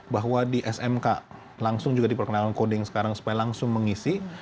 bahwa di smk langsung juga diperkenalkan coding sekarang supaya langsung mengisi